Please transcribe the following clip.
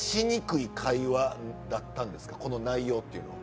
この内容っていうのは。